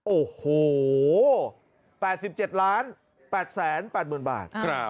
โอ้โหประมาณ๘๗๘๘๐๐๐๐บาท